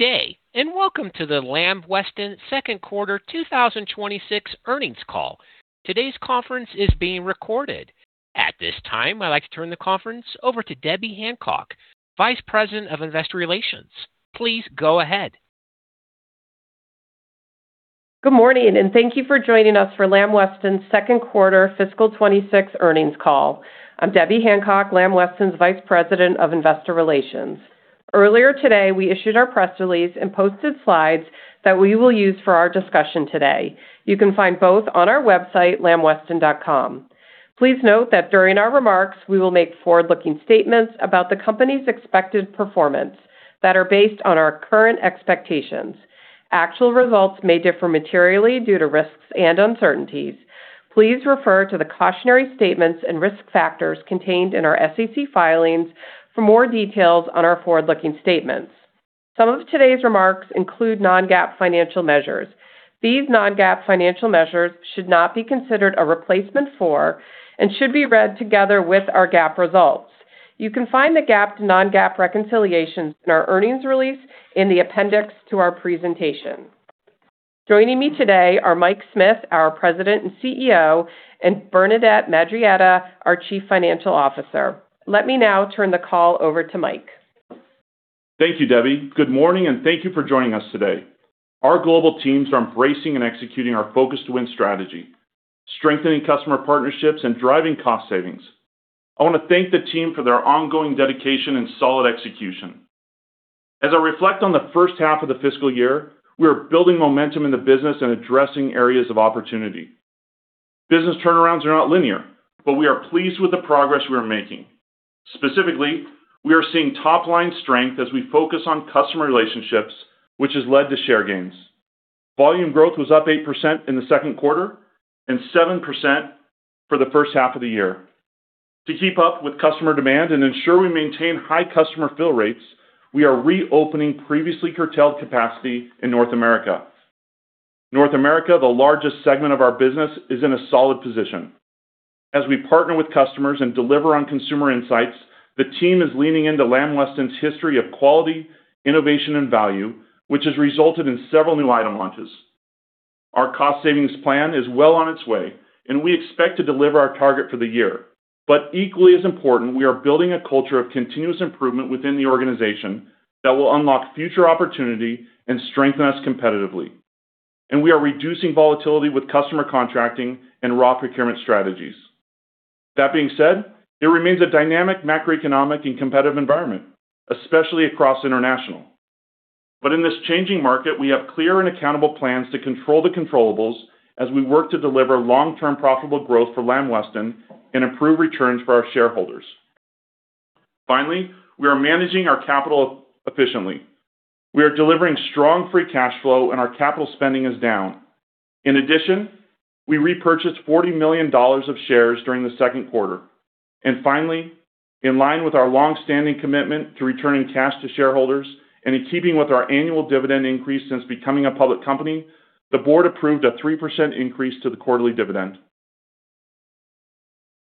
Good day and welcome to the Lamb Weston Second Quarter 2026 earnings call. Today's conference is being recorded. At this time, I'd like to turn the conference over to Debbie Hancock, Vice President of Investor Relations. Please go ahead Good morning and thank you for joining us for Lamb Weston Second Quarter Fiscal '26 earnings call. I'm Debbie Hancock, Lamb Weston's Vice President of Investor Relations. Earlier today, we issued our press release and posted slides that we will use for our discussion today. You can find both on our website, lambweston.com. Please note that during our remarks, we will make forward-looking statements about the company's expected performance that are based on our current expectations. Actual results may differ materially due to risks and uncertainties. Please refer to the cautionary statements and risk factors contained in our SEC filings for more details on our forward-looking statements. Some of today's remarks include non-GAAP financial measures. These non-GAAP financial measures should not be considered a replacement for and should be read together with our GAAP results. You can find the GAAP to non-GAAP reconciliations in our earnings release in the appendix to our presentation. Joining me today are Mike Smith, our President and CEO, and Bernadette Madarieta, our Chief Financial Officer. Let me now turn the call over to Mike. Thank you, Debbie. Good morning and thank you for joining us today. Our global teams are embracing and executing our Focus to Win strategy, strengthening customer partnerships, and driving cost savings. I want to thank the team for their ongoing dedication and solid execution. As I reflect on the first half of the fiscal year, we are building momentum in the business and addressing areas of opportunity. Business turnarounds are not linear, but we are pleased with the progress we are making. Specifically, we are seeing top-line strength as we focus on customer relationships, which has led to share gains. Volume growth was up 8% in the second quarter and 7% for the first half of the year. To keep up with customer demand and ensure we maintain high customer fill rates, we are reopening previously curtailed capacity in North America. North America, the largest segment of our business, is in a solid position. As we partner with customers and deliver on consumer insights, the team is leaning into Lamb Weston's history of quality, innovation, and value, which has resulted in several new item launches. Our cost savings plan is well on its way, and we expect to deliver our target for the year. But equally as important, we are building a culture of continuous improvement within the organization that will unlock future opportunity and strengthen us competitively. And we are reducing volatility with customer contracting and raw procurement strategies. That being said, it remains a dynamic macroeconomic and competitive environment, especially across International. But in this changing market, we have clear and accountable plans to control the controllables as we work to deliver long-term profitable growth for Lamb Weston and improve returns for our shareholders. Finally, we are managing our capital efficiently. We are delivering strong free cash flow, and our capital spending is down. In addition, we repurchased $40 million of shares during the second quarter. And finally, in line with our longstanding commitment to returning cash to shareholders and in keeping with our annual dividend increase since becoming a public company, the Board approved a 3% increase to the quarterly dividend.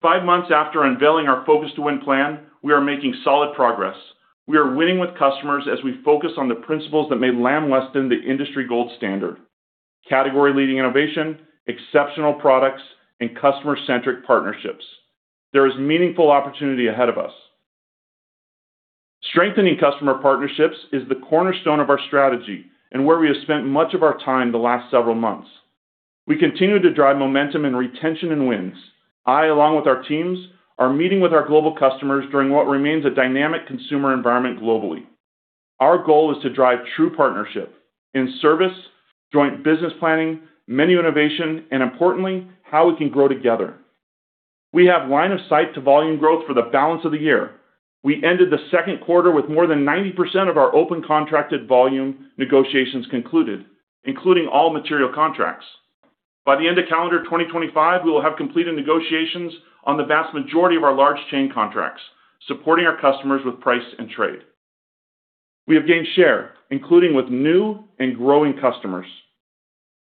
Five months after unveiling our Focus to Win plan, we are making solid progress. We are winning with customers as we focus on the principles that made Lamb Weston the industry gold standard: category-leading innovation, exceptional products, and customer-centric partnerships. There is meaningful opportunity ahead of us. Strengthening customer partnerships is the cornerstone of our strategy and where we have spent much of our time the last several months. We continue to drive momentum and retention and wins. I, along with our teams, are meeting with our global customers during what remains a dynamic consumer environment globally. Our goal is to drive true partnership in service, joint business planning, menu innovation, and importantly, how we can grow together. We have line of sight to volume growth for the balance of the year. We ended the second quarter with more than 90% of our open contracted volume negotiations concluded, including all material contracts. By the end of calendar 2025, we will have completed negotiations on the vast majority of our large chain contracts, supporting our customers with price and trade. We have gained share, including with new and growing customers.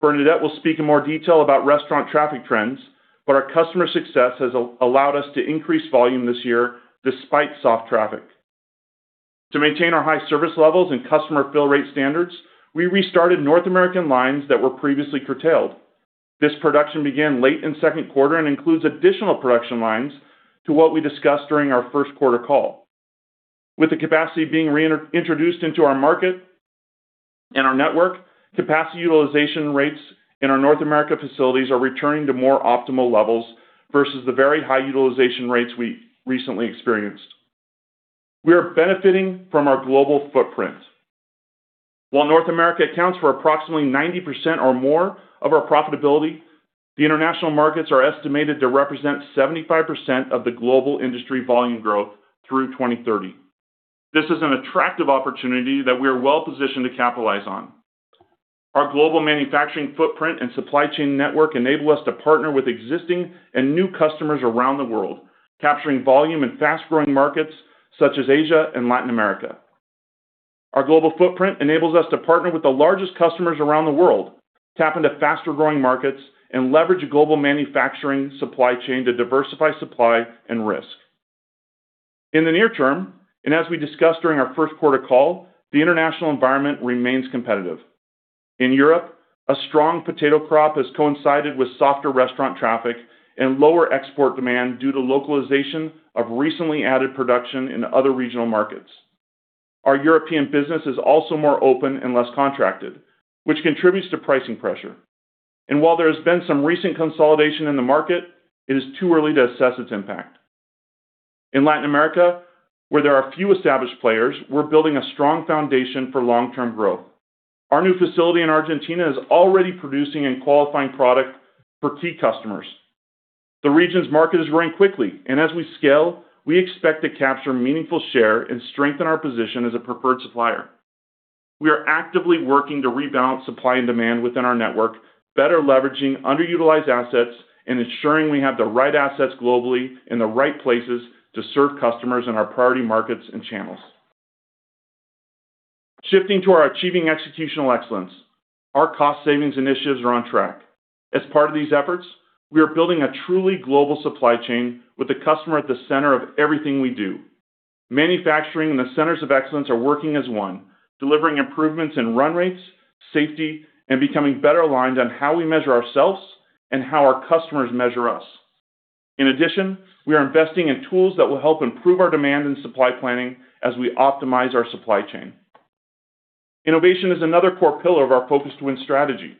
Bernadette will speak in more detail about restaurant traffic trends, but our customer success has allowed us to increase volume this year despite soft traffic. To maintain our high service levels and customer fill rate standards, we restarted North American lines that were previously curtailed. This production began late in second quarter and includes additional production lines to what we discussed during our first quarter call. With the capacity being reintroduced into our market and our network, capacity utilization rates in our North America facilities are returning to more optimal levels versus the very high utilization rates we recently experienced. We are benefiting from our global footprint. While North America accounts for approximately 90% or more of our profitability, the international markets are estimated to represent 75% of the global industry volume growth through 2030. This is an attractive opportunity that we are well positioned to capitalize on. Our global manufacturing footprint and supply chain network enable us to partner with existing and new customers around the world, capturing volume in fast-growing markets such as Asia and Latin America. Our global footprint enables us to partner with the largest customers around the world, tap into faster-growing markets, and leverage global manufacturing supply chain to diversify supply and risk. In the near term, and as we discussed during our first quarter call, the International environment remains competitive. In Europe, a strong potato crop has coincided with softer restaurant traffic and lower export demand due to localization of recently added production in other regional markets. Our European business is also more open and less contracted, which contributes to pricing pressure, and while there has been some recent consolidation in the market, it is too early to assess its impact. In Latin America, where there are few established players, we're building a strong foundation for long-term growth. Our new facility in Argentina is already producing and qualifying product for key customers. The region's market is growing quickly, and as we scale, we expect to capture meaningful share and strengthen our position as a preferred supplier. We are actively working to rebalance supply and demand within our network, better leveraging underutilized assets and ensuring we have the right assets globally in the right places to serve customers in our priority markets and channels. Shifting to our achieving executional excellence, our cost savings initiatives are on track. As part of these efforts, we are building a truly global supply chain with the customer at the center of everything we do. Manufacturing and the Centers of Excellence are working as one, delivering improvements in run rates, safety, and becoming better aligned on how we measure ourselves and how our customers measure us. In addition, we are investing in tools that will help improve our demand and supply planning as we optimize our supply chain. Innovation is another core pillar of our Focus to Win strategy.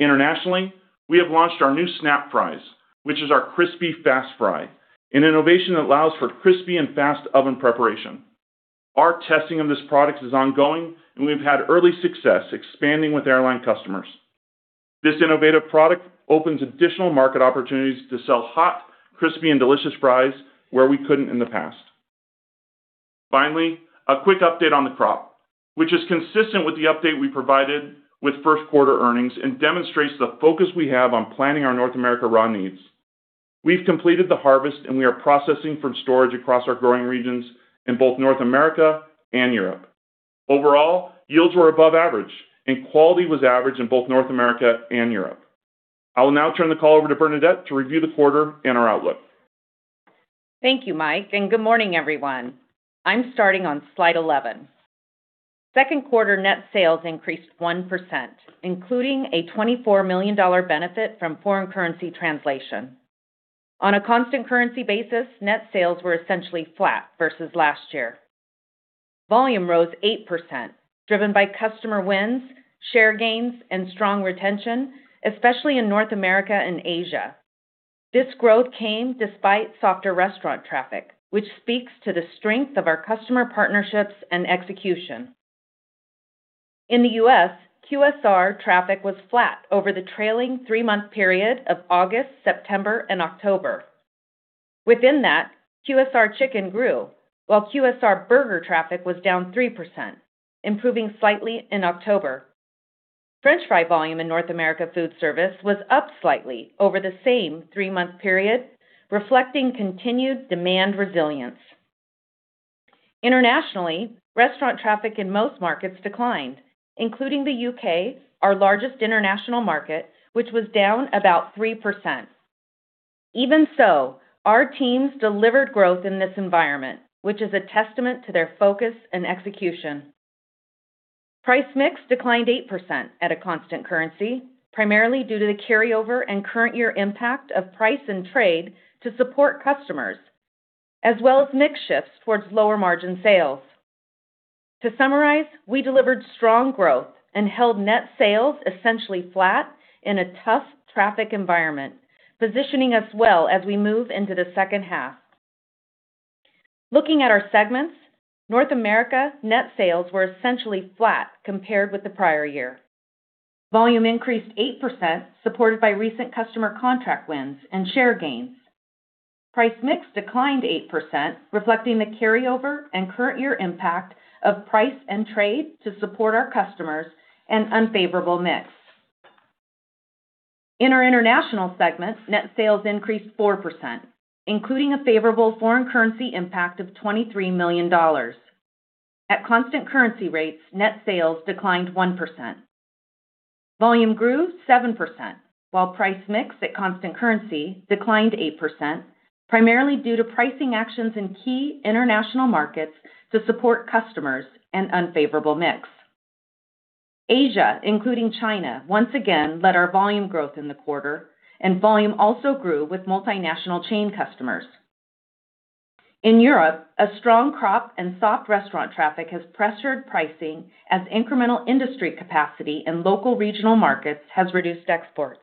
Internationally, we have launched our new Snap Fries, which is our crispy fast fry, an innovation that allows for crispy and fast oven preparation. Our testing of this product is ongoing, and we've had early success expanding with airline customers. This innovative product opens additional market opportunities to sell hot, crispy, and delicious fries where we couldn't in the past. Finally, a quick update on the crop, which is consistent with the update we provided with first quarter earnings and demonstrates the focus we have on planning our North America raw needs. We've completed the harvest, and we are processing from storage across our growing regions in both North America and Europe. Overall, yields were above average, and quality was average in both North America and Europe. I will now turn the call over to Bernadette to review the quarter and our outlook. Thank you, Mike, and good morning, everyone. I'm starting on slide 11. Second quarter net sales increased 1%, including a $24 million benefit from foreign currency translation. On a constant currency basis, net sales were essentially flat versus last year. Volume rose 8%, driven by customer wins, share gains, and strong retention, especially in North America and Asia. This growth came despite softer restaurant traffic, which speaks to the strength of our customer partnerships and execution. In the U.S., QSR traffic was flat over the trailing three-month period of August, September, and October. Within that, QSR chicken grew, while QSR burger traffic was down 3%, improving slightly in October. French fry volume in North America Foodservice was up slightly over the same three-month period, reflecting continued demand resilience. Internationally, restaurant traffic in most markets declined, including the U.K., our largest international market, which was down about 3%. Even so, our teams delivered growth in this environment, which is a testament to their focus and execution. Price/Mix declined 8% at a constant currency, primarily due to the carryover and current year impact of price and trade to support customers, as well as mix shifts towards lower margin sales. To summarize, we delivered strong growth and held net sales essentially flat in a tough traffic environment, positioning us well as we move into the second half. Looking at our segments, North America net sales were essentially flat compared with the prior year. Volume increased 8%, supported by recent customer contract wins and share gains. Price/Mix declined 8%, reflecting the carryover and current year impact of price and trade to support our customers and unfavorable mix. In our International segment, net sales increased 4%, including a favorable foreign currency impact of $23 million. At constant currency rates, net sales declined 1%. Volume grew 7%, while Price/Mix at constant currency declined 8%, primarily due to pricing actions in key international markets to support customers and unfavorable mix. Asia, including China, once again led our volume growth in the quarter, and volume also grew with multinational chain customers. In Europe, a strong crop and soft restaurant traffic has pressured pricing as incremental industry capacity in local regional markets has reduced exports.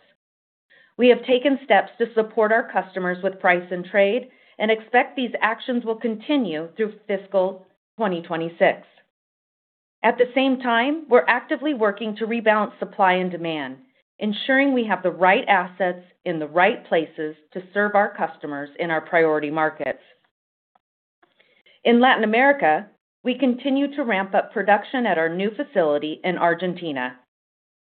We have taken steps to support our customers with price and trade and expect these actions will continue through Fiscal 2026. At the same time, we're actively working to rebalance supply and demand, ensuring we have the right assets in the right places to serve our customers in our priority markets. In Latin America, we continue to ramp up production at our new facility in Argentina.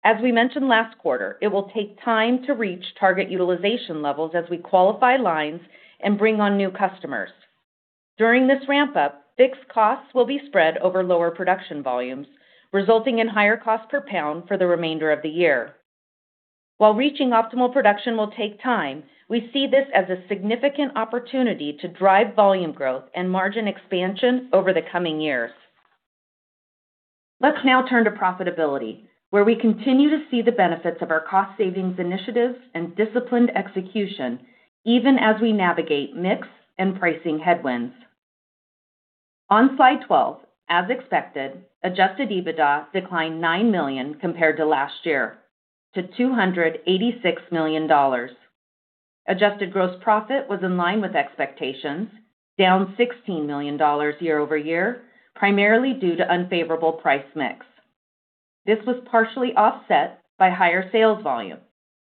As we mentioned last quarter, it will take time to reach target utilization levels as we qualify lines and bring on new customers. During this ramp-up, fixed costs will be spread over lower production volumes, resulting in higher cost per pound for the remainder of the year. While reaching optimal production will take time, we see this as a significant opportunity to drive volume growth and margin expansion over the coming years. Let's now turn to profitability, where we continue to see the benefits of our cost savings initiatives and disciplined execution, even as we navigate mix and pricing headwinds. On slide 12, as expected, Adjusted EBITDA declined $9 million compared to last year, to $286 million. Adjusted Gross Profit was in line with expectations, down $16 million year over year, primarily due to unfavorable Price/Mix. This was partially offset by higher sales volume,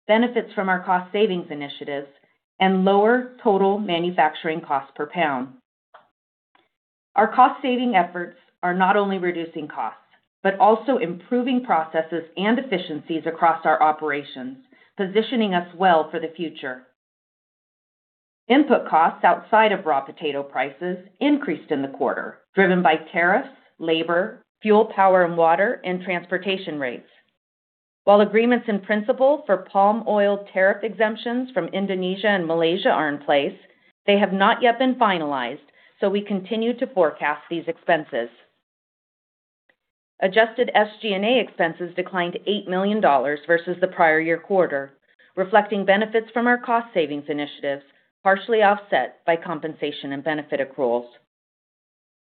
benefits from our cost savings initiatives, and lower total manufacturing cost per pound. Our cost saving efforts are not only reducing costs, but also improving processes and efficiencies across our operations, positioning us well for the future. Input costs outside of raw potato prices increased in the quarter, driven by tariffs, labor, fuel, power, and water, and transportation rates. While agreements in principle for palm oil tariff exemptions from Indonesia and Malaysia are in place, they have not yet been finalized, so we continue to forecast these expenses. Adjusted SG&A expenses declined $8 million versus the prior year quarter, reflecting benefits from our cost savings initiatives, partially offset by compensation and benefit accruals.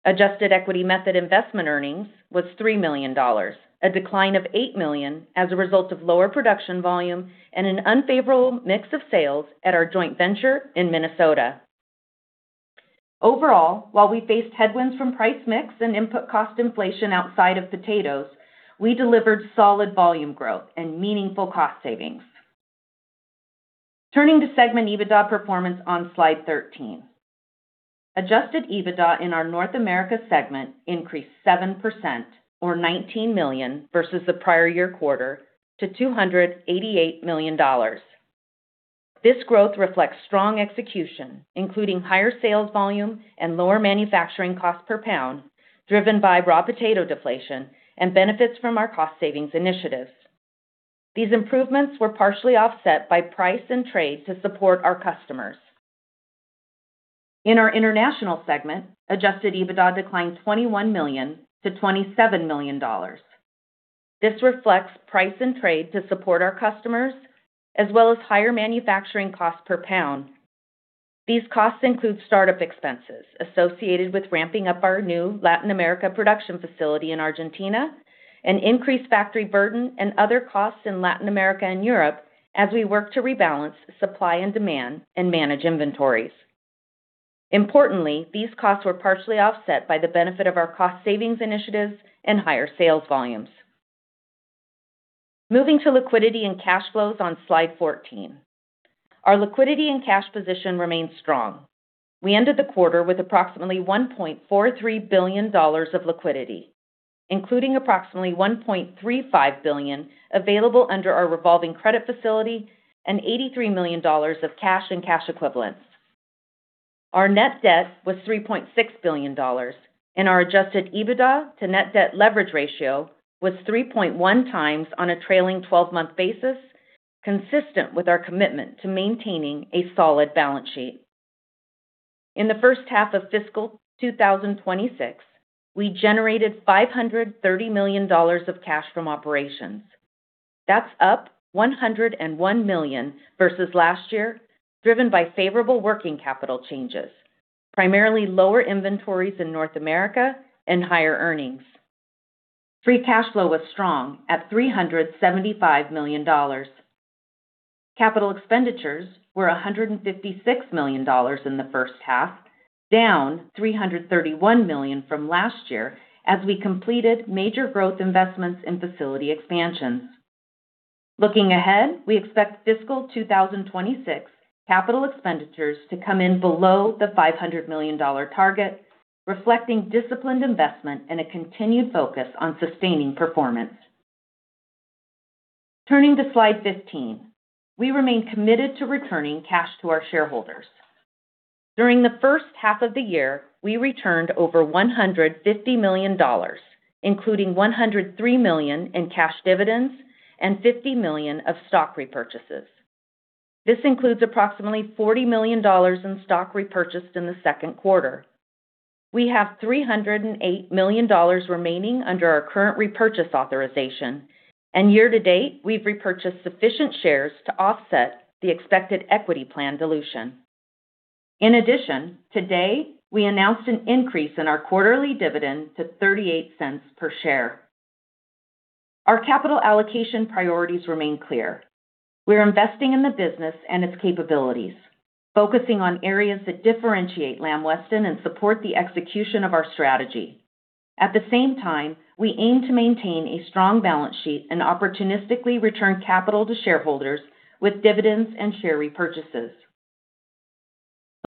Adjusted Equity Method Investment Earnings was $3 million, a decline of $8 million as a result of lower production volume and an unfavorable mix of sales at our joint venture in Minnesota. Overall, while we faced headwinds from Price/Mix and input cost inflation outside of potatoes, we delivered solid volume growth and meaningful cost savings. Turning to segment EBITDA performance on slide 13, Adjusted EBITDA in our North America segment increased 7%, or $19 million versus the prior year quarter, to $288 million. This growth reflects strong execution, including higher sales volume and lower manufacturing cost per pound, driven by raw potato deflation and benefits from our cost savings initiatives. These improvements were partially offset by price and trade to support our customers. In our International segment, Adjusted EBITDA declined $21 million to $27 million. This reflects price and trade to support our customers, as well as higher manufacturing cost per pound. These costs include startup expenses associated with ramping up our new Latin America production facility in Argentina, an increased factory burden, and other costs in Latin America and Europe as we work to rebalance supply and demand and manage inventories. Importantly, these costs were partially offset by the benefit of our cost savings initiatives and higher sales volumes. Moving to liquidity and cash flows on slide 14, our liquidity and cash position remained strong. We ended the quarter with approximately $1.43 billion of liquidity, including approximately $1.35 billion available under our revolving credit facility and $83 million of cash and cash equivalents. Our net debt was $3.6 billion, and our Adjusted EBITDA to net debt leverage ratio was 3.1 times on a trailing 12-month basis, consistent with our commitment to maintaining a solid balance sheet. In the first half of Fiscal 2026, we generated $530 million of cash from operations. That's up $101 million versus last year, driven by favorable working capital changes, primarily lower inventories in North America and higher earnings. Free cash flow was strong at $375 million. Capital expenditures were $156 million in the first half, down $331 million from last year as we completed major growth investments in facility expansions. Looking ahead, we expect Fiscal 2026 capital expenditures to come in below the $500 million target, reflecting disciplined investment and a continued focus on sustaining performance. Turning to slide 15, we remain committed to returning cash to our shareholders. During the first half of the year, we returned over $150 million, including $103 million in cash dividends and $50 million of stock repurchases. This includes approximately $40 million in stock repurchased in the second quarter. We have $308 million remaining under our current repurchase authorization, and year to date, we've repurchased sufficient shares to offset the expected equity plan dilution. In addition, today, we announced an increase in our quarterly dividend to $0.38 per share. Our capital allocation priorities remain clear. We're investing in the business and its capabilities, focusing on areas that differentiate Lamb Weston and support the execution of our strategy. At the same time, we aim to maintain a strong balance sheet and opportunistically return capital to shareholders with dividends and share repurchases.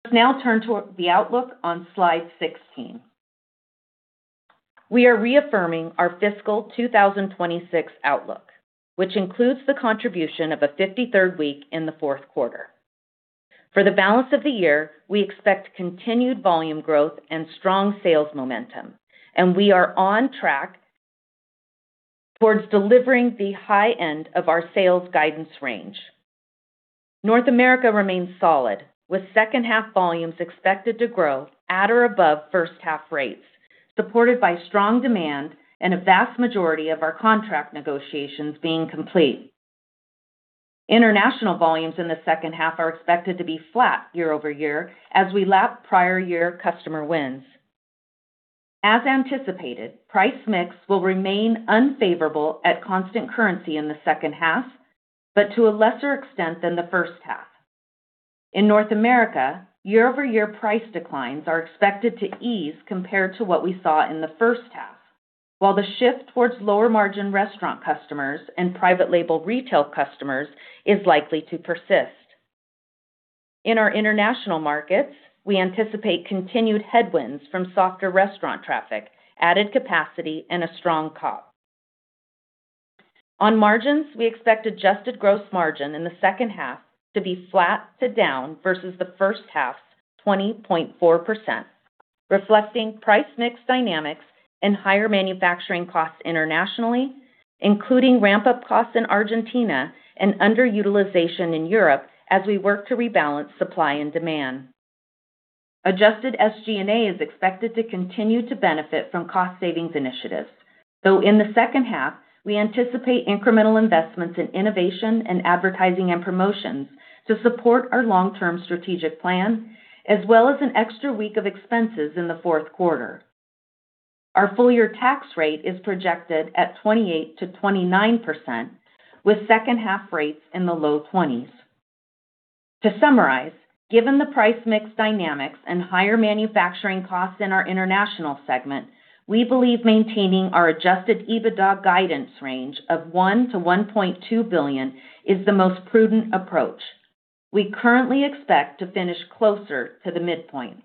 Let's now turn to the outlook on slide 16. We are reaffirming our Fiscal 2026 outlook, which includes the contribution of a 53rd week in the fourth quarter. For the balance of the year, we expect continued volume growth and strong sales momentum, and we are on track towards delivering the high end of our sales guidance range. North America remains solid, with second-half volumes expected to grow at or above first-half rates, supported by strong demand and a vast majority of our contract negotiations being complete. International volumes in the second half are expected to be flat year over year as we lap prior year customer wins. As anticipated, Price/Mix will remain unfavorable at constant currency in the second half, but to a lesser extent than the first half. In North America, year-over-year price declines are expected to ease compared to what we saw in the first half, while the shift towards lower-margin restaurant customers and private label retail customers is likely to persist. In our international markets, we anticipate continued headwinds from softer restaurant traffic, added capacity, and a strong crop. On margins, we expect Adjusted Gross Margin in the second half to be flat to down versus the first half's 20.4%, reflecting Price/Mix dynamics and higher manufacturing costs internationally, including ramp-up costs in Argentina and underutilization in Europe as we work to rebalance supply and demand. Adjusted SG&A is expected to continue to benefit from cost savings initiatives, though in the second half, we anticipate incremental investments in innovation and advertising and promotions to support our long-term strategic plan, as well as an extra week of expenses in the fourth quarter. Our full-year tax rate is projected at 28%-29%, with second-half rates in the low 20s. To summarize, given the Price/Mix dynamics and higher manufacturing costs in our International segment, we believe maintaining our Adjusted EBITDA guidance range of $1-$1.2 billion is the most prudent approach. We currently expect to finish closer to the midpoint.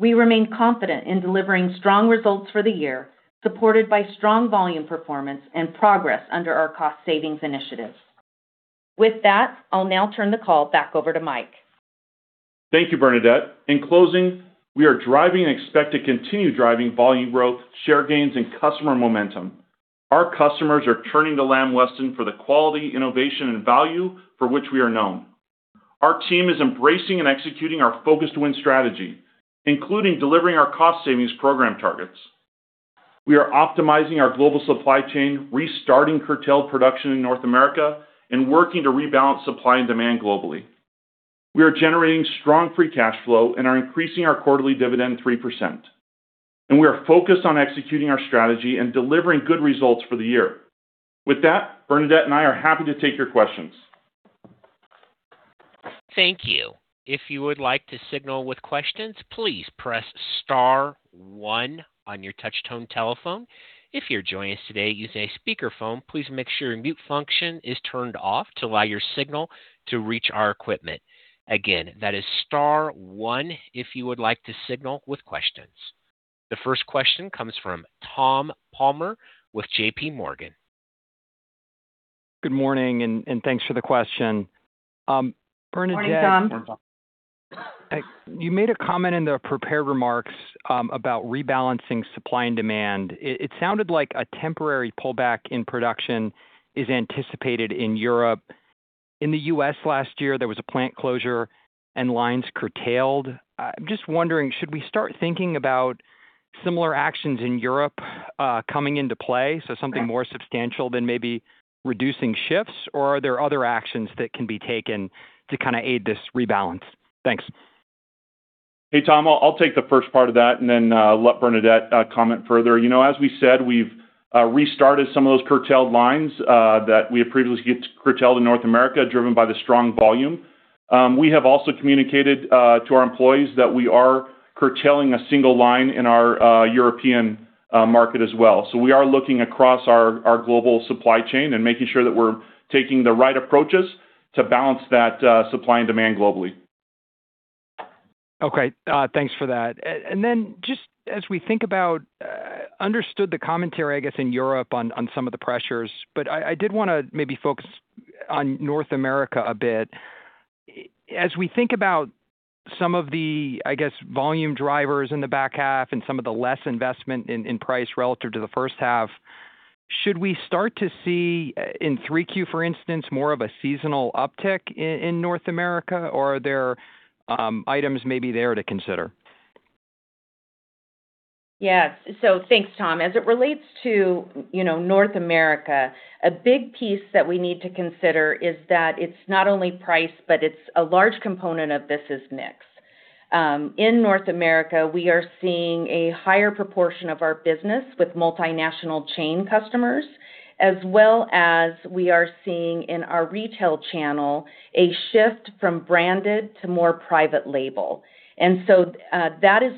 We remain confident in delivering strong results for the year, supported by strong volume performance and progress under our cost savings initiatives. With that, I'll now turn the call back over to Mike. Thank you, Bernadette. In closing, we are driving and expect to continue driving volume growth, share gains, and customer momentum. Our customers are turning to Lamb Weston for the quality, innovation, and value for which we are known. Our team is embracing and executing our Focus to Win strategy, including delivering our cost savings program targets. We are optimizing our global supply chain, restarting curtailed production in North America, and working to rebalance supply and demand globally. We are generating strong free cash flow and are increasing our quarterly dividend 3%. And we are focused on executing our strategy and delivering good results for the year. With that, Bernadette and I are happy to take your questions. Thank you. If you would like to signal with questions, please press star one on your touch-tone telephone. If you're joining us today using a speakerphone, please make sure your mute function is turned off to allow your signal to reach our equipment. Again, that is star one if you would like to signal with questions. The first question comes from Tom Palmer with J.P. Morgan. Good morning, and thanks for the question. Bernadette. Morning, Tom. You made a comment in the prepared remarks about rebalancing supply and demand. It sounded like a temporary pullback in production is anticipated in Europe. In the U.S. last year, there was a plant closure and lines curtailed. I'm just wondering, should we start thinking about similar actions in Europe coming into play, so something more substantial than maybe reducing shifts, or are there other actions that can be taken to kind of aid this rebalance? Thanks. Hey, Tom, I'll take the first part of that and then let Bernadette comment further. As we said, we've restarted some of those curtailed lines that we had previously curtailed in North America, driven by the strong volume. We have also communicated to our employees that we are curtailing a single line in our European market as well. So we are looking across our global supply chain and making sure that we're taking the right approaches to balance that supply and demand globally. Okay. Thanks for that and then just as we think about understood the commentary, I guess, in Europe on some of the pressures, but I did want to maybe focus on North America a bit. As we think about some of the, I guess, volume drivers in the back half and some of the less investment in price relative to the first half, should we start to see in 3Q, for instance, more of a seasonal uptick in North America, or are there items maybe there to consider? Yes so thanks, Tom. As it relates to North America, a big piece that we need to consider is that it's not only price, but a large component of this is mix. In North America, we are seeing a higher proportion of our business with multinational chain customers, as well as we are seeing in our retail channel a shift from branded to more private label, and so that is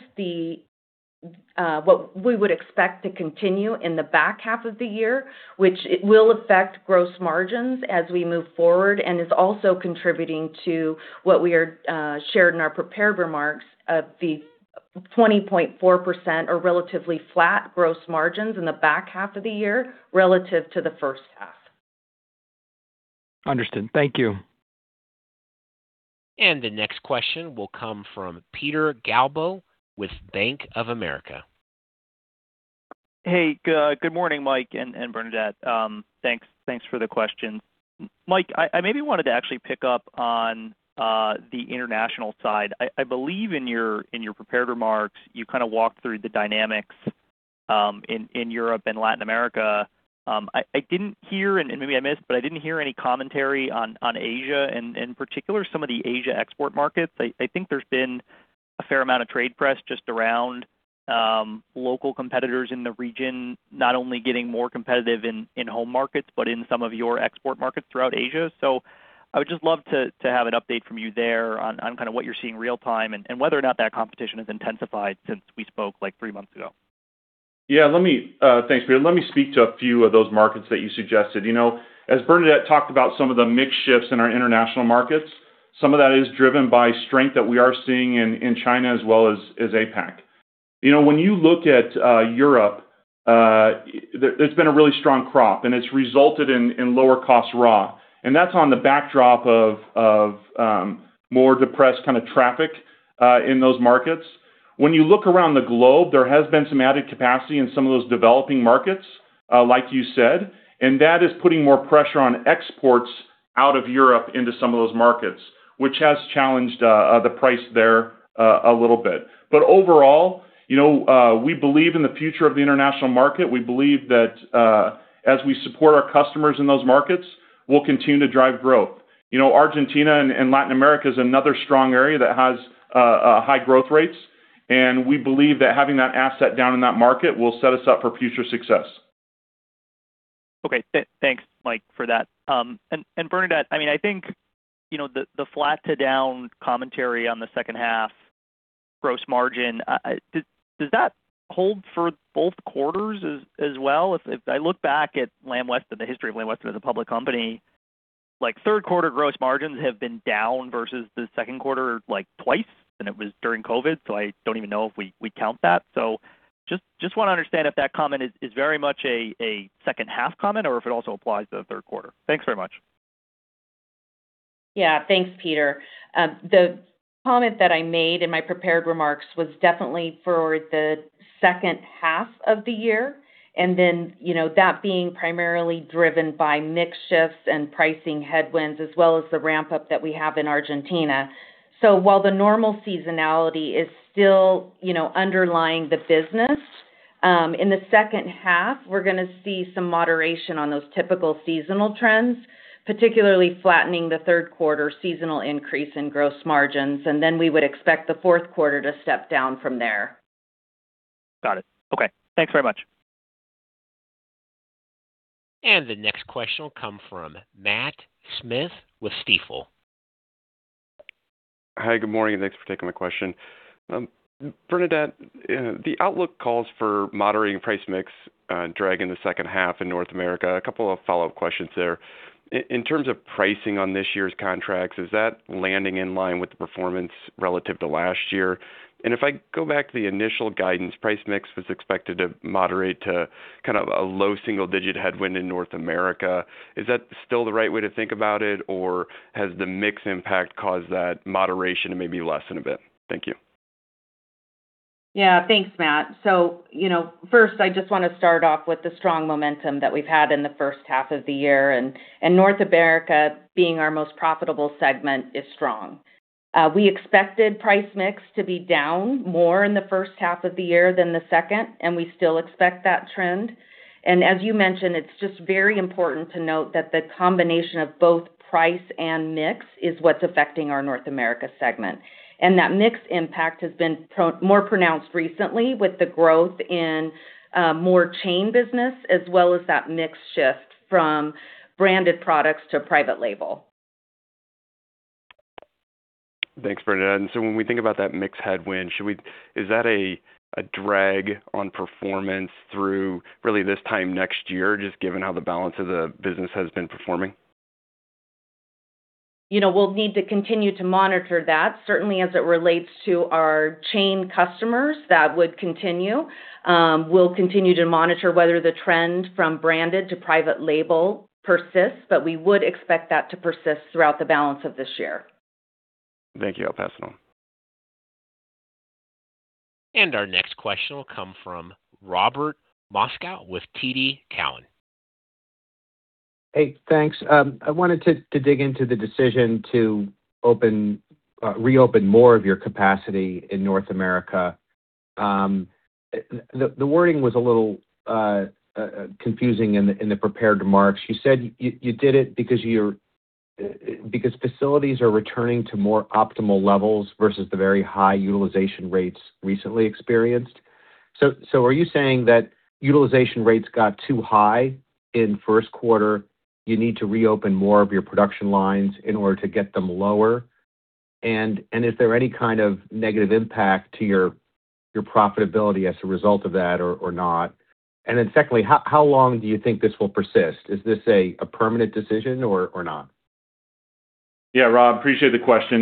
what we would expect to continue in the back half of the year, which will affect gross margins as we move forward and is also contributing to what we shared in our prepared remarks of the 20.4% or relatively flat gross margins in the back half of the year relative to the first half. Understood. Thank you. The next question will come from Peter Galbo with Bank of America. Hey, good morning, Mike and Bernadette. Thanks for the questions. Mike, I maybe wanted to actually pick up on the International side. I believe in your prepared remarks, you kind of walked through the dynamics in Europe and Latin America. I didn't hear, and maybe I missed, but I didn't hear any commentary on Asia in particular, some of the Asia export markets. I think there's been a fair amount of trade press just around local competitors in the region, not only getting more competitive in home markets, but in some of your export markets throughout Asia. So I would just love to have an update from you there on kind of what you're seeing real-time and whether or not that competition has intensified since we spoke like three months ago. Yeah. Thanks, Peter. Let me speak to a few of those markets that you suggested. As Bernadette talked about some of the mix shifts in our international markets, some of that is driven by strength that we are seeing in China as well as APAC. When you look at Europe, there's been a really strong crop, and it's resulted in lower-cost raw. And that's on the backdrop of more depressed kind of traffic in those markets. When you look around the globe, there has been some added capacity in some of those developing markets, like you said, and that is putting more pressure on exports out of Europe into some of those markets, which has challenged the price there a little bit. But overall, we believe in the future of the international market. We believe that as we support our customers in those markets, we'll continue to drive growth. Argentina and Latin America is another strong area that has high growth rates, and we believe that having that asset down in that market will set us up for future success. Okay. Thanks, Mike, for that. Bernadette, I mean, I think the flat to down commentary on the second half gross margin, does that hold for both quarters as well? If I look back at Lamb Weston, the history of Lamb Weston as a public company, third-quarter gross margins have been down versus the second quarter twice than it was during COVID, so I don't even know if we count that. So just want to understand if that comment is very much a second-half comment or if it also applies to the third quarter. Thanks very much. Yeah. Thanks, Peter. The comment that I made in my prepared remarks was definitely for the second half of the year, and then that being primarily driven by mix shifts and pricing headwinds as well as the ramp-up that we have in Argentina. So while the normal seasonality is still underlying the business, in the second half, we're going to see some moderation on those typical seasonal trends, particularly flattening the third quarter seasonal increase in gross margins, and then we would expect the fourth quarter to step down from there. Got it. Okay. Thanks very much. And the next question will come from Matt Smith with Stifel. Hi, good morning. Thanks for taking my question. Bernadette, the outlook calls for moderating Price/Mix drag in the second half in North America. A couple of follow-up questions there. In terms of pricing on this year's contracts, is that landing in line with the performance relative to last year? And if I go back to the initial guidance, Price/Mix was expected to moderate to kind of a low single-digit headwind in North America. Is that still the right way to think about it, or has the mix impact caused that moderation to maybe lessen a bit? Thank you. Yeah. Thanks, Matt. So first, I just want to start off with the strong momentum that we've had in the first half of the year, and North America being our most profitable segment is strong. We expected Price/Mix to be down more in the first half of the year than the second, and we still expect that trend. And as you mentioned, it's just very important to note that the combination of both price and mix is what's affecting our North America segment. And that mix impact has been more pronounced recently with the growth in more chain business as well as that mix shift from branded products to private label. Thanks, Bernadette. And so when we think about that mixed headwind, is that a drag on performance through really this time next year, just given how the balance of the business has been performing? We'll need to continue to monitor that. Certainly, as it relates to our chain customers, that would continue. We'll continue to monitor whether the trend from branded to private label persists, but we would expect that to persist throughout the balance of this year. Thank you. I'll pass it on. And our next question will come from Robert Moskow with TD Cowen. Hey, thanks. I wanted to dig into the decision to reopen more of your capacity in North America. The wording was a little confusing in the prepared remarks. You said you did it because facilities are returning to more optimal levels versus the very high utilization rates recently experienced. So are you saying that utilization rates got too high in first quarter? You need to reopen more of your production lines in order to get them lower? And is there any kind of negative impact to your profitability as a result of that or not? And then secondly, how long do you think this will persist? Is this a permanent decision or not? Yeah, Rob, appreciate the question.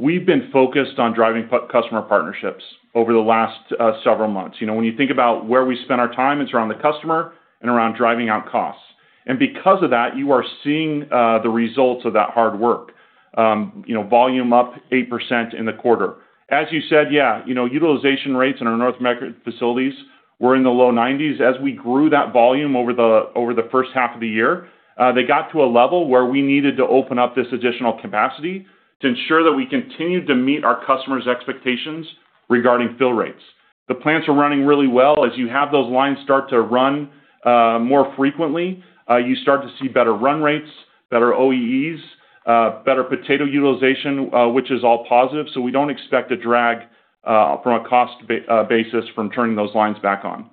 We've been focused on driving customer partnerships over the last several months. When you think about where we spend our time, it's around the customer and around driving out costs. And because of that, you are seeing the results of that hard work. Volume up 8% in the quarter. As you said, yeah, utilization rates in our North American facilities were in the low 90s as we grew that volume over the first half of the year. They got to a level where we needed to open up this additional capacity to ensure that we continued to meet our customers' expectations regarding fill rates. The plants are running really well. As you have those lines start to run more frequently, you start to see better run rates, better OEEs, better potato utilization, which is all positive. So we don't expect a drag from a cost basis from turning those lines back on.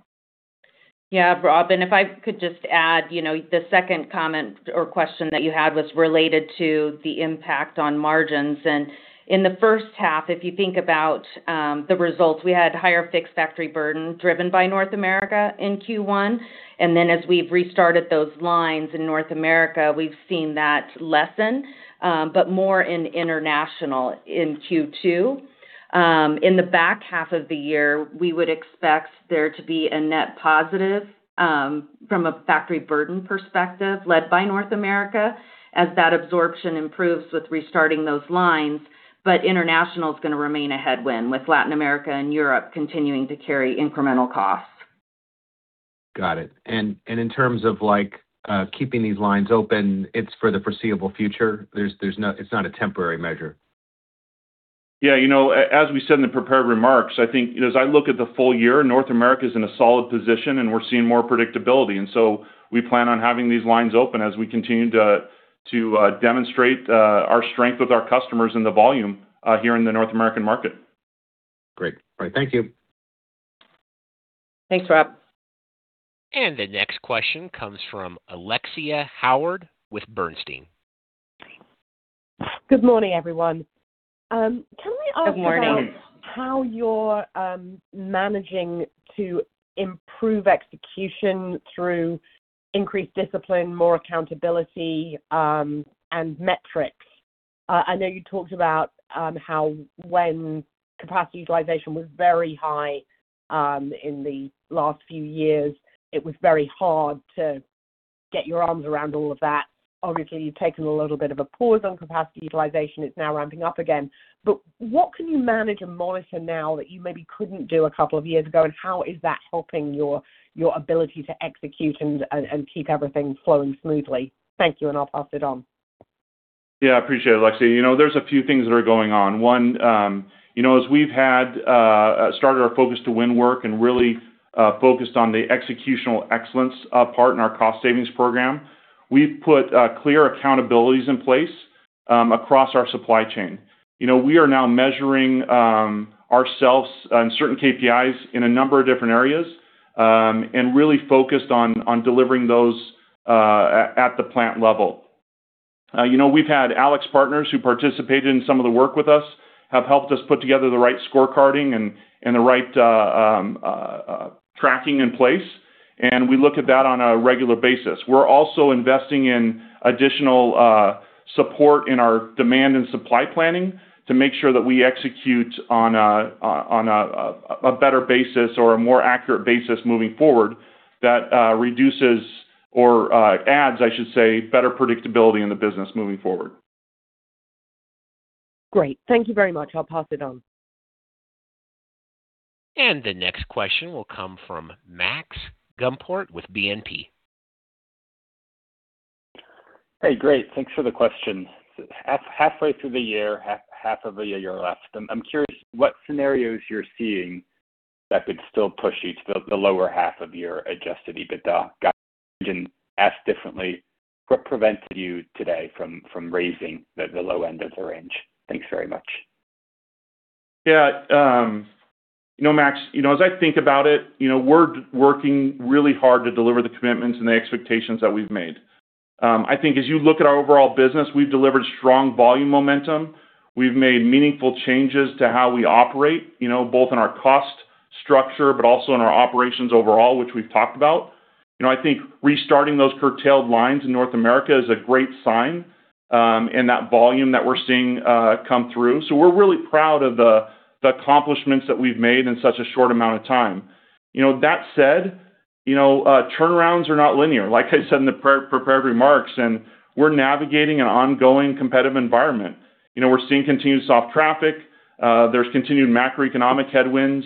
Yeah, Rob, and if I could just add, the second comment or question that you had was related to the impact on margins, and in the first half, if you think about the results, we had higher fixed factory burden driven by North America in Q1, and then as we've restarted those lines in North America, we've seen that lessen, but more in International in Q2. In the back half of the year, we would expect there to be a net positive from a factory burden perspective led by North America as that absorption improves with restarting those lines, but International is going to remain a headwind with Latin America and Europe continuing to carry incremental costs. Got it. And in terms of keeping these lines open, it's for the foreseeable future? It's not a temporary measure. Yeah. As we said in the prepared remarks, I think as I look at the full year, North America is in a solid position, and we're seeing more predictability. And so we plan on having these lines open as we continue to demonstrate our strength with our customers and the volume here in the North American market. Great. All right. Thank you. Thanks, Rob. And the next question comes from Alexia Howard with Bernstein. Good morning, everyone. Can we ask how you're managing to improve execution through increased discipline, more accountability, and metrics? I know you talked about how when capacity utilization was very high in the last few years, it was very hard to get your arms around all of that. Obviously, you've taken a little bit of a pause on capacity utilization. It's now ramping up again. But what can you manage and monitor now that you maybe couldn't do a couple of years ago, and how is that helping your ability to execute and keep everything flowing smoothly? Thank you, and I'll pass it on. Yeah, I appreciate it, Alexia. There's a few things that are going on. One, as we've started our Focus to Win work and really focused on the executional excellence part in our cost savings program, we've put clear accountabilities in place across our supply chain. We are now measuring ourselves and certain KPIs in a number of different areas and really focused on delivering those at the plant level. We've had AlixPartners, who participated in some of the work with us, have helped us put together the right scorecarding and the right tracking in place, and we look at that on a regular basis. We're also investing in additional support in our demand and supply planning to make sure that we execute on a better basis or a more accurate basis moving forward that reduces or adds, I should say, better predictability in the business moving forward. Great. Thank you very much. I'll pass it on. And the next question will come from Max Gumport with BNP. Hey, great. Thanks for the question. Halfway through the year, half of the year left. I'm curious what scenarios you're seeing that could still push you to the lower half of your Adjusted EBITDA? Got your question asked differently. What prevented you today from raising the low end of the range? Thanks very much. Yeah. Max, as I think about it, we're working really hard to deliver the commitments and the expectations that we've made. I think as you look at our overall business, we've delivered strong volume momentum. We've made meaningful changes to how we operate, both in our cost structure, but also in our operations overall, which we've talked about. I think restarting those curtailed lines in North America is a great sign and that volume that we're seeing come through. So we're really proud of the accomplishments that we've made in such a short amount of time. That said, turnarounds are not linear. Like I said in the prepared remarks, we're navigating an ongoing competitive environment. We're seeing continued soft traffic. There's continued macroeconomic headwinds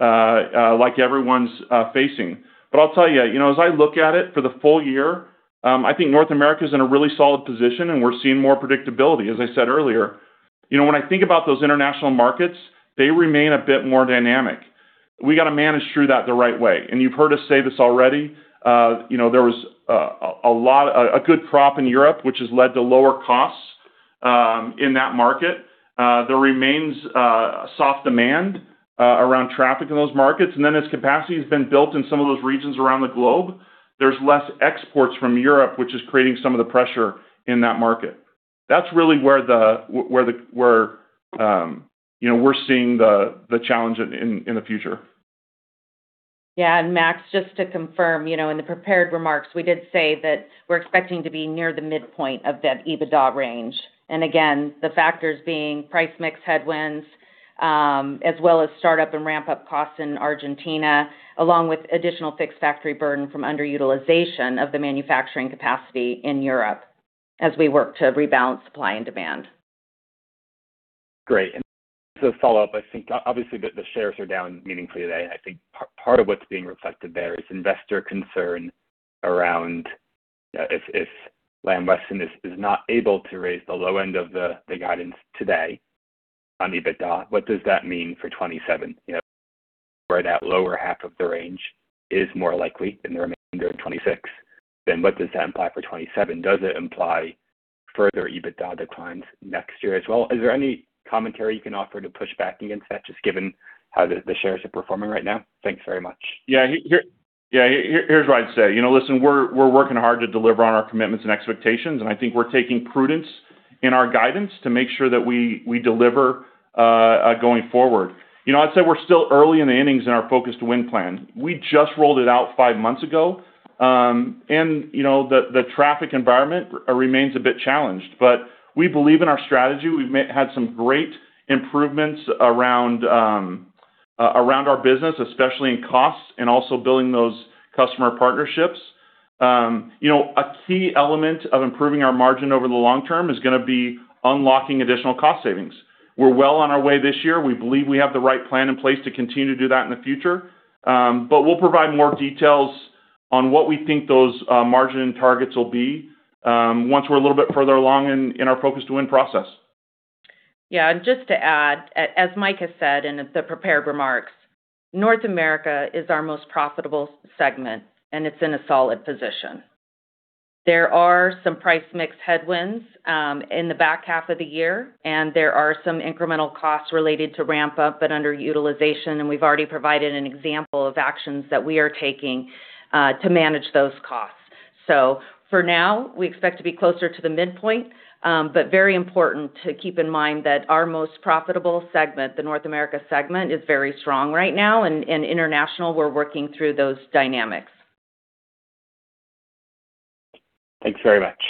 like everyone's facing. But I'll tell you, as I look at it for the full year, I think North America is in a really solid position, and we're seeing more predictability, as I said earlier. When I think about those international markets, they remain a bit more dynamic. We got to manage through that the right way. And you've heard us say this already. There was a good crop in Europe, which has led to lower costs in that market. There remains soft demand around traffic in those markets. And then as capacity has been built in some of those regions around the globe, there's less exports from Europe, which is creating some of the pressure in that market. That's really where we're seeing the challenge in the future. Yeah. Max, just to confirm, in the prepared remarks, we did say that we're expecting to be near the midpoint of that EBITDA range. Again, the factors being Price/Mix headwinds as well as startup and ramp-up costs in Argentina, along with additional fixed factory burden from underutilization of the manufacturing capacity in Europe as we work to rebalance supply and demand. Great. To follow up, I think obviously the shares are down meaningfully today. I think part of what's being reflected there is investor concern around if Lamb Weston is not able to raise the low end of the guidance today on EBITDA, what does that mean for 2027? Right at lower half of the range is more likely than the remainder of 2026, then what does that imply for 2027? Does it imply further EBITDA declines next year as well? Is there any commentary you can offer to push back against that, just given how the shares are performing right now? Thanks very much. Yeah. Here's what I'd say. Listen, we're working hard to deliver on our commitments and expectations, and I think we're taking prudence in our guidance to make sure that we deliver going forward. I'd say we're still early in the innings in our Focus to Win plan. We just rolled it out five months ago, and the traffic environment remains a bit challenged. But we believe in our strategy. We've had some great improvements around our business, especially in costs and also building those customer partnerships. A key element of improving our margin over the long term is going to be unlocking additional cost savings. We're well on our way this year. We believe we have the right plan in place to continue to do that in the future. But we'll provide more details on what we think those margin targets will be once we're a little bit further along in our Focus to Win process. Yeah. And just to add, as Mike has said in the prepared remarks, North America is our most profitable segment, and it's in a solid position. There are some Price/Mix headwinds in the back half of the year, and there are some incremental costs related to ramp-up and underutilization. And we've already provided an example of actions that we are taking to manage those costs. So for now, we expect to be closer to the midpoint, but very important to keep in mind that our most profitable segment, the North America segment, is very strong right now. And in International, we're working through those dynamics. Thanks very much.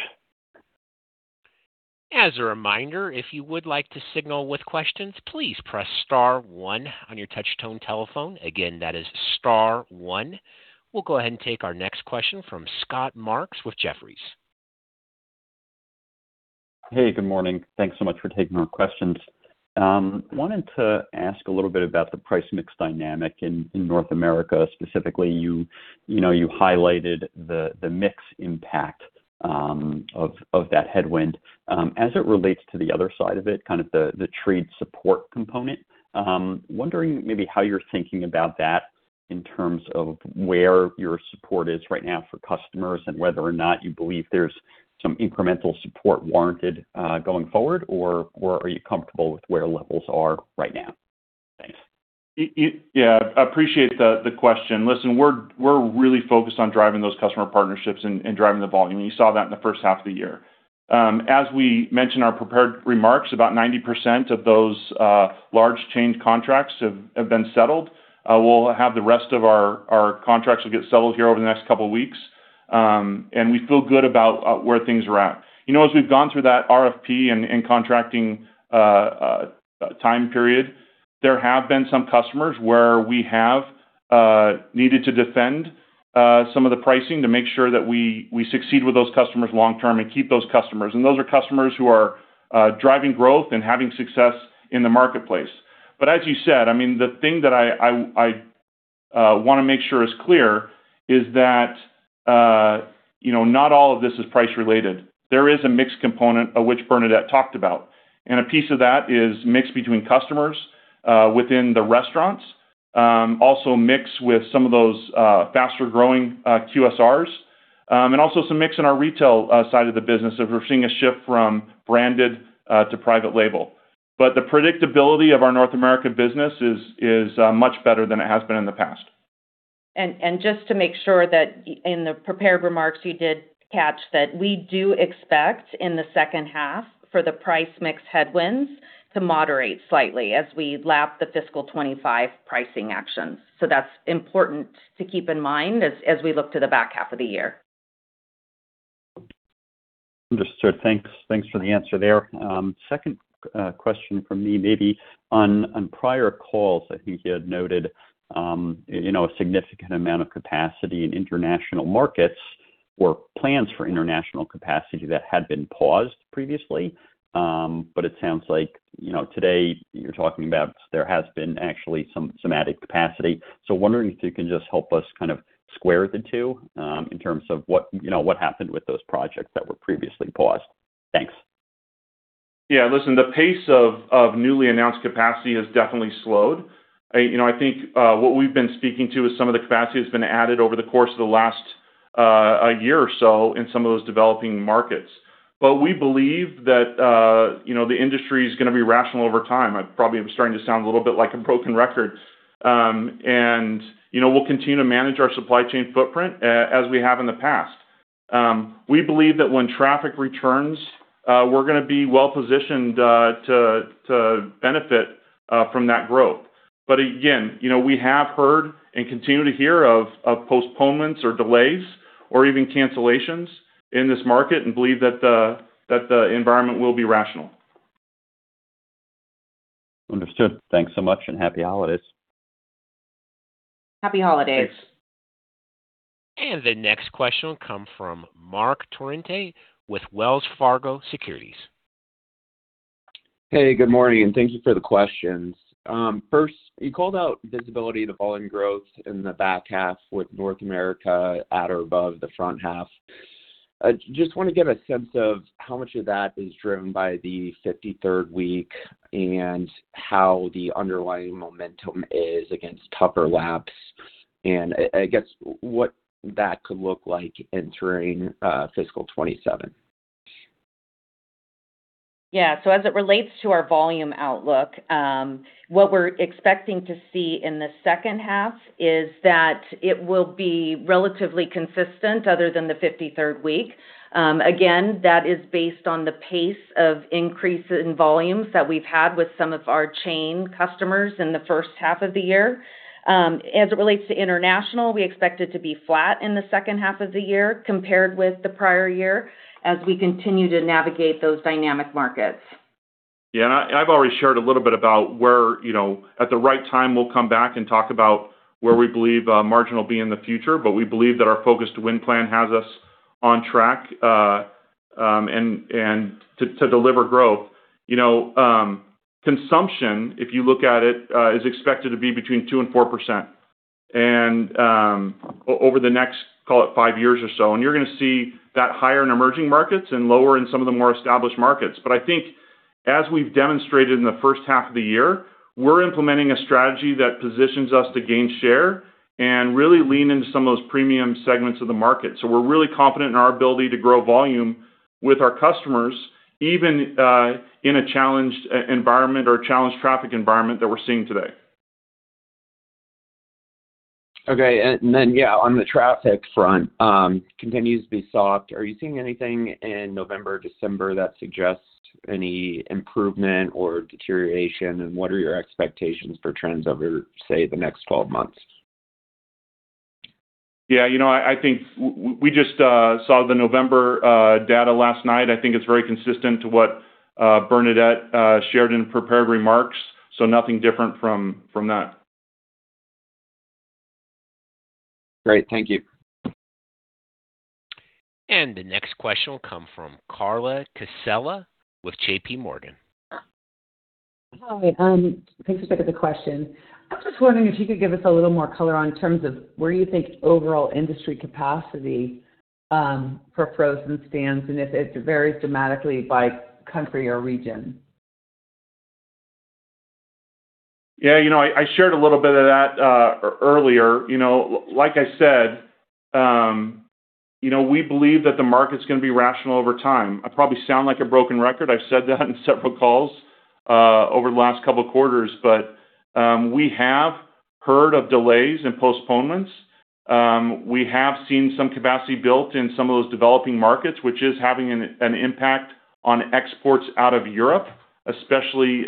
As a reminder, if you would like to signal with questions, please press star one on your touch-tone telephone. Again, that is star one. We'll go ahead and take our next question from Scott Marks with Jefferies. Hey, good morning. Thanks so much for taking our questions. Wanted to ask a little bit about the Price/Mix dynamic in North America. Specifically, you highlighted the mix impact of that headwind. As it relates to the other side of it, kind of the trade support component, wondering maybe how you're thinking about that in terms of where your support is right now for customers and whether or not you believe there's some incremental support warranted going forward, or are you comfortable with where levels are right now? Thanks. Yeah. I appreciate the question. Listen, we're really focused on driving those customer partnerships and driving the volume. You saw that in the first half of the year. As we mentioned in our prepared remarks, about 90% of those large chain contracts have been settled. We'll have the rest of our contracts get settled here over the next couple of weeks. And we feel good about where things are at. As we've gone through that RFP and contracting time period, there have been some customers where we have needed to defend some of the pricing to make sure that we succeed with those customers long term and keep those customers. And those are customers who are driving growth and having success in the marketplace. But as you said, I mean, the thing that I want to make sure is clear is that not all of this is price related. There is a mixed component of which Bernadette talked about. And a piece of that is mixed between customers within the restaurants, also mixed with some of those faster-growing QSRs, and also some mix in our retail side of the business as we're seeing a shift from branded to private label. But the predictability of our North America business is much better than it has been in the past. And just to make sure that in the prepared remarks, you did catch that we do expect in the second half for the Price/Mix headwinds to moderate slightly as we lap the fiscal 2025 pricing actions. So that's important to keep in mind as we look to the back half of the year. Understood. Thanks for the answer there. Second question for me, maybe on prior calls, I think you had noted a significant amount of capacity in international markets or plans for International capacity that had been paused previously. But it sounds like today you're talking about there has been actually some added capacity. So wondering if you can just help us kind of square the two in terms of what happened with those projects that were previously paused? Thanks. Yeah. Listen, the pace of newly announced capacity has definitely slowed. I think what we've been speaking to is some of the capacity that's been added over the course of the last year or so in some of those developing markets. But we believe that the industry is going to be rational over time. I probably am starting to sound a little bit like a broken record. And we'll continue to manage our supply chain footprint as we have in the past. We believe that when traffic returns, we're going to be well-positioned to benefit from that growth. But again, we have heard and continue to hear of postponements or delays or even cancellations in this market and believe that the environment will be rational. Understood. Thanks so much and happy holidays. Happy holidays. Thanks. And the next question will come from Marc Torrente with Wells Fargo Securities. Hey, good morning. Thank you for the questions. First, you called out visibility to volume growth in the back half with North America at or above the front half. Just want to get a sense of how much of that is driven by the 53rd week and how the underlying momentum is against tougher laps, and I guess what that could look like entering fiscal 2027. Yeah. So as it relates to our volume outlook, what we're expecting to see in the second half is that it will be relatively consistent other than the 53rd week. Again, that is based on the pace of increase in volumes that we've had with some of our chain customers in the first half of the year. As it relates to International, we expect it to be flat in the second half of the year compared with the prior year as we continue to navigate those dynamic markets. Yeah. And I've already shared a little bit about where at the right time, we'll come back and talk about where we believe margin will be in the future. But we believe that our Focus to Win plan has us on track and to deliver growth. Consumption, if you look at it, is expected to be between 2% and 4% over the next, call it, five years or so. And you're going to see that higher in emerging markets and lower in some of the more established markets. But I think as we've demonstrated in the first half of the year, we're implementing a strategy that positions us to gain share and really lean into some of those premium segments of the market. So we're really confident in our ability to grow volume with our customers even in a challenged environment or challenged traffic environment that we're seeing today. Okay. And then, yeah, on the traffic front, continues to be soft. Are you seeing anything in November, December that suggests any improvement or deterioration? And what are your expectations for trends over, say, the next 12 months? Yeah. I think we just saw the November data last night. I think it's very consistent to what Bernadette shared in prepared remarks. So nothing different from that. Great. Thank you. And the next question will come from Carla Casella with J.P. Morgan. Hi. Thanks for taking the question. I'm just wondering if you could give us a little more color in terms of where you think overall industry capacity for frozen spuds and if it varies dramatically by country or region. Yeah. I shared a little bit of that earlier. Like I said, we believe that the market's going to be rational over time. I probably sound like a broken record. I've said that in several calls over the last couple of quarters. But we have heard of delays and postponements. We have seen some capacity built in some of those developing markets, which is having an impact on exports out of Europe, especially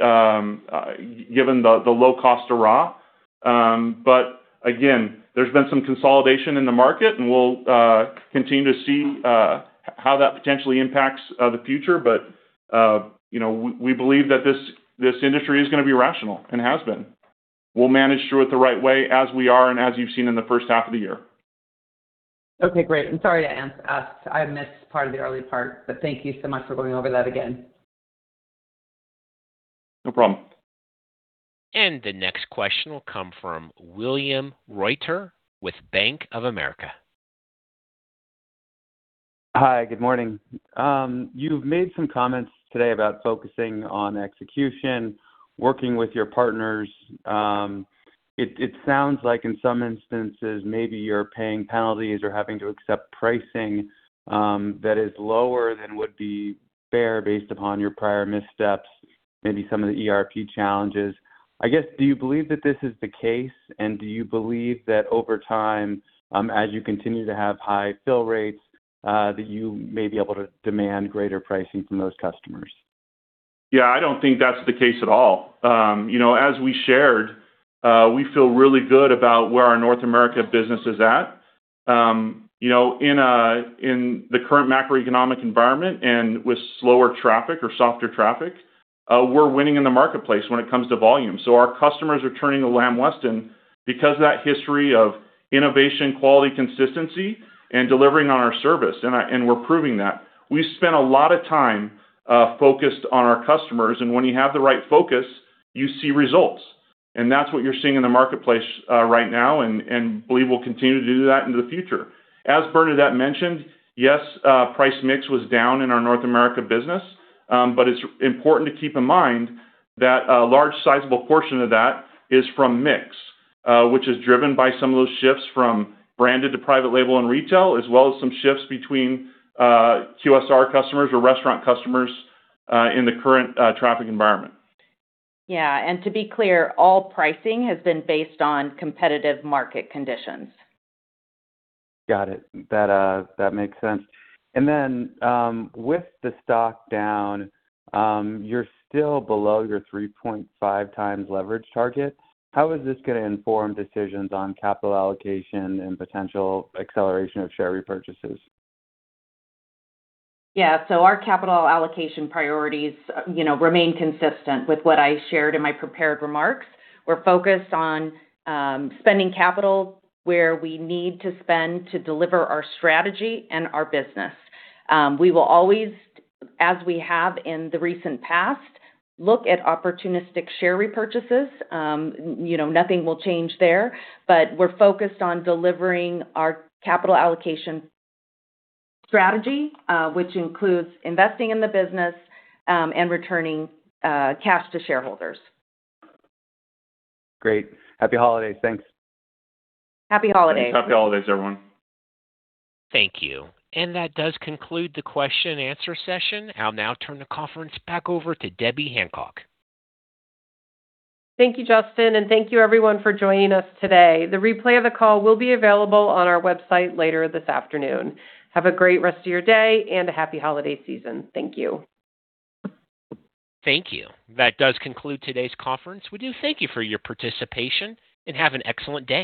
given the low cost of raw. But again, there's been some consolidation in the market, and we'll continue to see how that potentially impacts the future. But we believe that this industry is going to be rational and has been. We'll manage through it the right way as we are and as you've seen in the first half of the year. Okay. Great. I'm sorry to ask. I missed part of the early part, but thank you so much for going over that again. No problem. And the next question will come from William Reuter with Bank of America. Hi. Good morning. You've made some comments today about focusing on execution, working with your partners. It sounds like in some instances, maybe you're paying penalties or having to accept pricing that is lower than would be fair based upon your prior missteps, maybe some of the ERP challenges. I guess, do you believe that this is the case? And do you believe that over time, as you continue to have high fill rates, that you may be able to demand greater pricing from those customers? Yeah. I don't think that's the case at all. As we shared, we feel really good about where our North America business is at. In the current macroeconomic environment and with slower traffic or softer traffic, we're winning in the marketplace when it comes to volume. So our customers are turning to Lamb Weston because of that history of innovation, quality, consistency, and delivering on our service. And we're proving that. We spent a lot of time focused on our customers. And when you have the right focus, you see results. And that's what you're seeing in the marketplace right now and believe we'll continue to do that into the future. As Bernadette mentioned, yes, Price/Mix was down in our North America business. But it's important to keep in mind that a large sizable portion of that is from mix, which is driven by some of those shifts from branded to private label and retail, as well as some shifts between QSR customers or restaurant customers in the current traffic environment. Yeah. And to be clear, all pricing has been based on competitive market conditions. Got it. That makes sense. And then with the stock down, you're still below your 3.5 times leverage target. How is this going to inform decisions on capital allocation and potential acceleration of share repurchases? Yeah. So our capital allocation priorities remain consistent with what I shared in my prepared remarks. We're focused on spending capital where we need to spend to deliver our strategy and our business. We will always, as we have in the recent past, look at opportunistic share repurchases. Nothing will change there. But we're focused on delivering our capital allocation strategy, which includes investing in the business and returning cash to shareholders. Great. Happy holidays. Thanks. Happy holidays. Thanks. Happy holidays, everyone. Thank you. And that does conclude the question-and-answer session. I'll now turn the conference back over to Debbie Hancock. Thank you, Justin. And thank you, everyone, for joining us today. The replay of the call will be available on our website later this afternoon. Have a great rest of your day and a happy holiday season. Thank you. Thank you. That does conclude today's conference. We do thank you for your participation and have an excellent day.